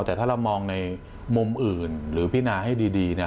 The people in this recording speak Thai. แต่ถ้าเรามองในมุมอื่นหรือพินาให้ดีเนี่ย